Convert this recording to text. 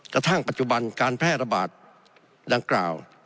กระทั่งปัจจุบันการแพร่ระบาดดังกล่าว